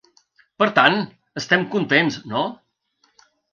Per tant, estem contents, no?